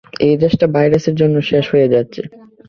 এই দেশটা ভাইরাসের জন্য শেষ হয়ে যাচ্ছে।